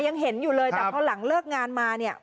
ยังเห็นอยู่เลยแต่พอหลังเลิกงานมาเนี่ย